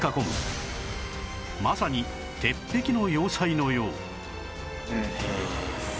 まさに鉄壁の要塞のよう